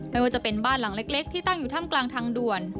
ไม่ว่าจะเป็นบ้านหลังเล็กที่ตั้งอยู่ถ้ำกลางทางด่วน